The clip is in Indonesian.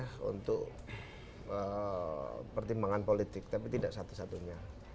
salah satu alat ukur ya untuk pertimbangan politik tapi tidak satu satunya